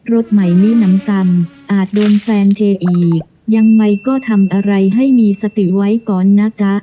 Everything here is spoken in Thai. รถใหม่มีน้ำซำอาจโดนแฟนเทอีกยังไงก็ทำอะไรให้มีสติไว้ก่อนนะจ๊ะ